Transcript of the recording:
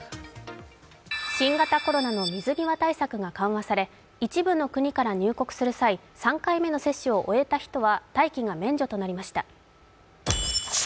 新型コロナの水際対策が緩和され一部の国から入国する際、３回目の接種を終えた人は待機が免除となりました。